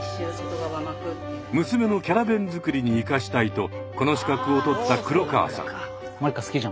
娘のキャラ弁作りに生かしたいとこの資格を取った黒川さん。